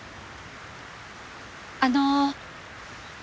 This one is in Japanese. あの。